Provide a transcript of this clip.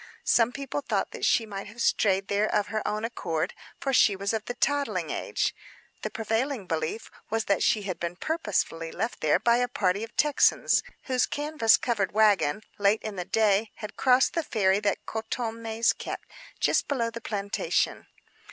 Some people thought she might have strayed there of her own accord, for she was of the toddling age. The prevailing belief was that she had been purposely left by a party of Texans, whose canvas covered wagon, late in the day, had crossed the ferry that Coton Maïs kept, just below the plantation.